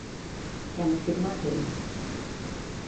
Què han afirmat ells?